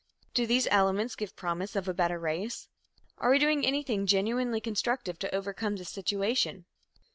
Do these elements give promise of a better race? Are we doing anything genuinely constructive to overcome this situation?